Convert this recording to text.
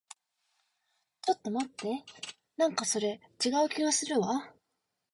ちょっと待って。なんかそれ、違う気がするわ。